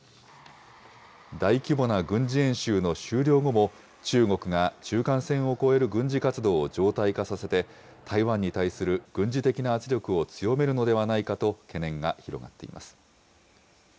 大規模な軍事演習の終了後も、中国が中間線を越える軍事活動を常態化させて、台湾に対する軍事的な圧力を強めるのではないかと懸念が広がっています。